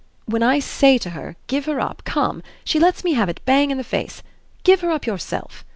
"When I say to her 'Give her up, come,' she lets me have it bang in the face: 'Give her up yourself!'